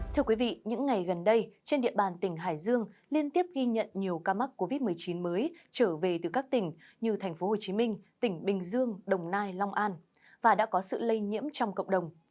thưa quý vị những ngày gần đây trên địa bàn tỉnh hải dương liên tiếp ghi nhận nhiều ca mắc covid một mươi chín mới trở về từ các tỉnh như tp hcm tỉnh bình dương đồng nai long an và đã có sự lây nhiễm trong cộng đồng